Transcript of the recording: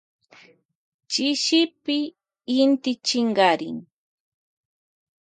Chishipi chinkarin inti.